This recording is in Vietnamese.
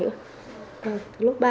ừ từ lúc ba